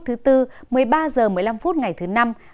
một mươi ba h một mươi năm ngày thứ năm